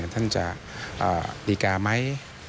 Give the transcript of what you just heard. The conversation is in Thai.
ท่านจะดีกาไหม